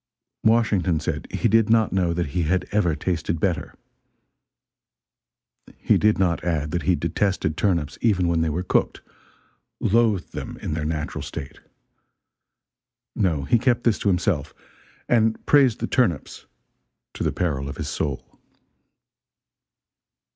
Washington said he did not know that he had ever tasted better. He did not add that he detested turnips even when they were cooked loathed them in their natural state. No, he kept this to himself, and praised the turnips to the peril of his soul.